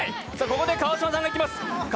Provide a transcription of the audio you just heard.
ここで川島さんがいきます。